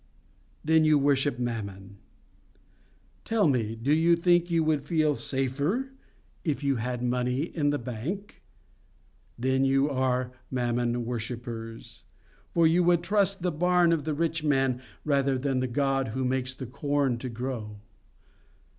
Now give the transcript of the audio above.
Then you worship Mammon. Tell me, do you think you would feel safer if you had money in the bank? Then you are Mammon worshippers; for you would trust the barn of the rich man rather than the God who makes the corn to grow.